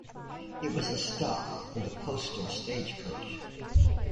It was a stop for the postal stagecoach.